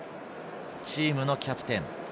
チームのキャプテン。